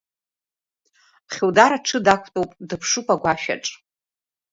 Хьудар аҽы дақәтәоуп, дыԥшуп агәашәаҿ.